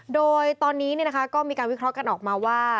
โดยตอนนี้ก็มีการวิเคราะห์กันออกมาว่า